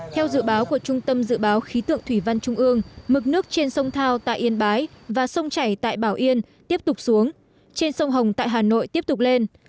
theo dự báo của trung tâm dự báo khí tượng thủy văn trung ương mực nước trên sông thao tại yên bái và sông chảy tại bảo yên tiếp tục xuống trên sông hồng tại hà nội tiếp tục lên